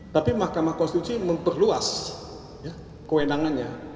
tapi mahkamah konstitusi memperluas kewenangannya